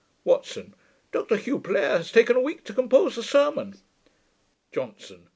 WATSON. 'Dr Hugh Blair has taken a week to compose a sermon.' JOHNSON.